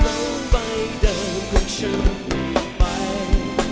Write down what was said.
โลกใบเดิมของฉันเปลี่ยนไป